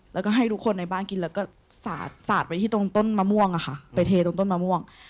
แล้วก็ให้ทุกคนในบ้านกินแล้วก็สาดไปที่ตรงต้นมะม่วงไปเทตรงต้นมะม่วง